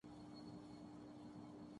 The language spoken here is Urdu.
ایکسپورٹر ز کو بھی دھچکا لگا ہے